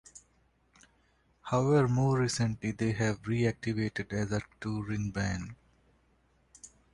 However more recently they have reactivated as a touring band.